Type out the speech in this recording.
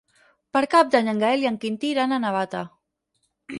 Per Cap d'Any en Gaël i en Quintí iran a Navata.